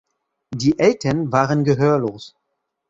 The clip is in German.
Die Eltern waren gehörlos.